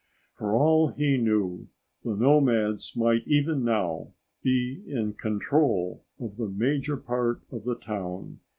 For all he knew, the nomads might even now be in control of the major part of the town.